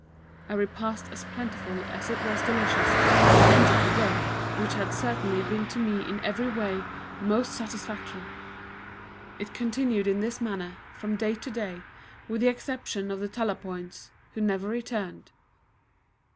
A repast as plentiful as it was delicious ended the day, which had certainly been to me in every way most satisfactory. It continued in this manner, from day to day, with the exception of the Talapoins, who never returned.